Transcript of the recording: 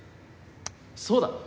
そうだ！